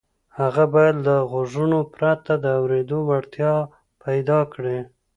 هغه باید له غوږونو پرته د اورېدو وړتیا پیدا کړي